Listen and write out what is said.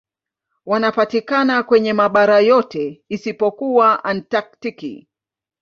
Wanapatikana kwenye mabara yote isipokuwa Antaktiki.